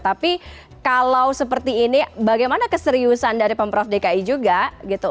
tapi kalau seperti ini bagaimana keseriusan dari pemprov dki juga gitu